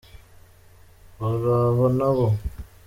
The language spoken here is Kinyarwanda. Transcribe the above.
baraho nabo.